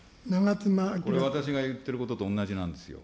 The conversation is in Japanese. これ、私が言ってることと同じなんですよ。